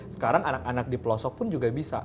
sekarang anak anak di pelosok pun juga bisa